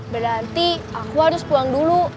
berarti aku harus pulang dulu